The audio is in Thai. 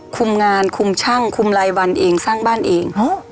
คุมงานคุมช่างคุมรายวันเองสร้างบ้านเอง